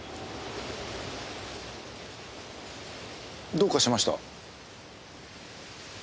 どうかしました？